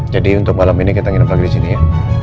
jadi untuk malam ini kita nginep lagi di sini ya